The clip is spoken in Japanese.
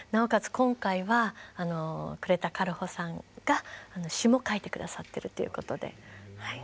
今回は呉田軽穂さんが詞も書いて下さってるということで。